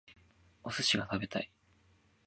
お寿司が食べたい